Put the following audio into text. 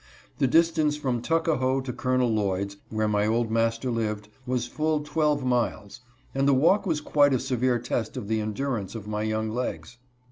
The distance from Tuckahoe to Colonel Lloyd's, where my old master lived, was full twelve miles, and the walk was quite a severe test of the endurance of my young legs.